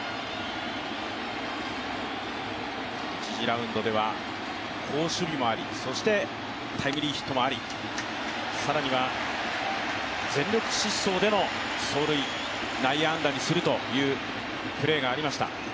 １次ラウンドでは好守備もありそしてタイムリーヒットもあり更には全力疾走での走塁、内野安打にするというプレーがありました。